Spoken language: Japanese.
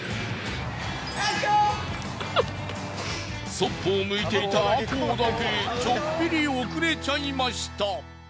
そっぽを向いていたアコーだけちょっぴり遅れちゃいました。